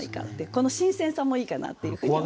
この新鮮さもいいかなっていうふうに思います。